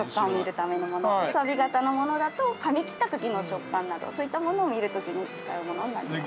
くさび形のものだと噛み切った時の食感などそういったものを見る時に使うものになります。